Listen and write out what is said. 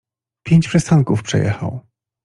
Pięć przystanków przejechał.